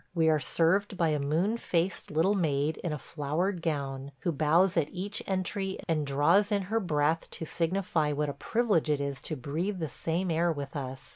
We are served by a moon faced little maid in a flowered gown, who bows at each entry and draws in her breath to signify what a privilege it is to breathe the same air with us